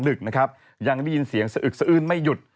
ดึกนะครับยังได้ยินเสียงสะอึกสะอื้นไม่หยุด